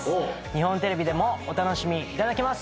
日本テレビでもお楽しみいただけます。